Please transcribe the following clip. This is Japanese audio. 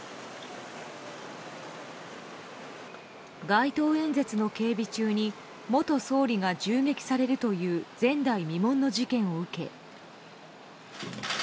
街頭演説の警備中に元総理が銃撃されるという前代未聞の事件を受け